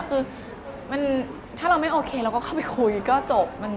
คือถ้าเราไม่โอเคเราก็เข้าไปคุยก็จบ